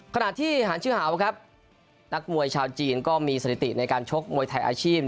ขณะที่หานชื่อหาวครับนักมวยชาวจีนก็มีสถิติในการชกมวยไทยอาชีพ